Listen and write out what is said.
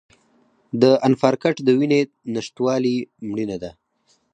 د انفارکټ د وینې نشتوالي مړینه ده.